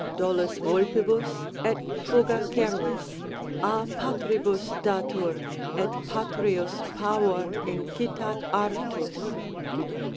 dolus vulpibus, et fuga, cervis A patribus datur, et patrius pavor incitât artus?